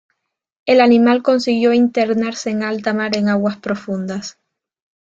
El animal consiguió internarse en alta mar en aguas profundas.